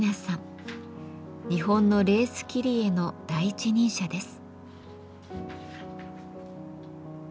日本のレース切り絵の第一人者です。